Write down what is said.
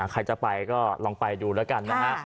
ใครจะไปก็ลองไปดูแล้วกันนะฮะ